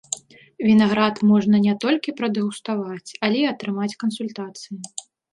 Вінаград можна не толькі прадэгуставаць, але і атрымаць кансультацыі.